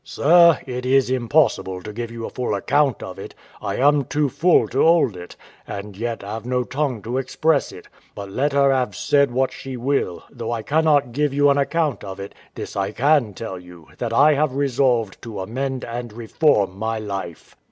W.A. Sir, it is impossible to give you a full account of it; I am too full to hold it, and yet have no tongue to express it; but let her have said what she will, though I cannot give you an account of it, this I can tell you, that I have resolved to amend and reform my life.